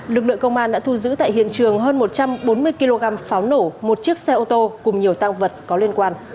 lực lượng công an đã thu giữ tại hiện trường hơn một trăm bốn mươi kg pháo nổ một chiếc xe ô tô cùng nhiều tăng vật có liên quan